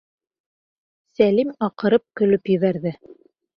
Сәлим аҡырып көлөп ебәрҙе.